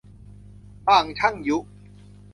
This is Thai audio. บ่างช่างยุ